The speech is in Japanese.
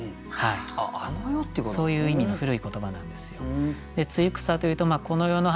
そういう意味の古い言葉なんですよ。